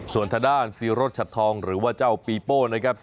ส่วนทางด้านซีรสชัดทองหรือว่าเจ้าปีโป้นะครับ